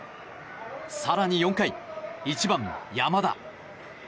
更に４回、１番、山田。